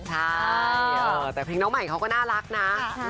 ใช่แต่เพลงน้องใหม่เขาก็น่ารักนะ